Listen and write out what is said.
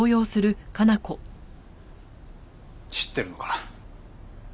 知ってるのか？